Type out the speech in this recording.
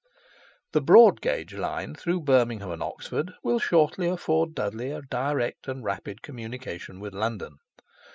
The broad gauge line through Birmingham and Oxford will shortly afford Dudley a direct and rapid communication with London.